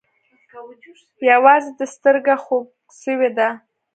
يوازې دې سترگه خوږ سوې ده.